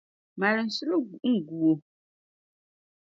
Maalim shili n-gu o.